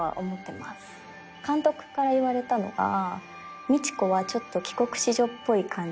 監督から言われたのが路子は帰国子女っぽい感じ？